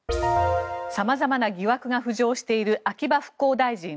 様々な疑惑が浮上している秋葉復興大臣。